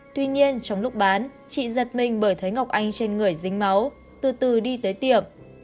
tuy nhiên trong lúc bán chị giật mình bởi thấy ngọc anh trên người dính máu từ từ đi tới tiệm